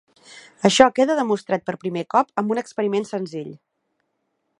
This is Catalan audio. Això quedà demostrat per primer cop amb un experiment senzill.